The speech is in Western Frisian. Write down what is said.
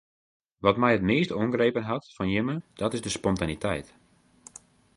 Wat my it meast oangrepen hat fan jimme dat is de spontaniteit.